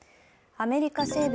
アメリカ西部